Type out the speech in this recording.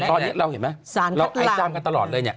ตอนนี้เราเห็นมั้ยไอจามกันตลอดเลยเนี่ย